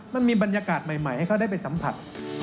มันมีบรรยากาศใหม่ให้เขาได้ไปสัมผัส